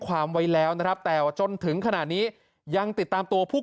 ความไว้แล้วนะครับแต่จนถึงขณะนี้ยังติดตามตัวผู้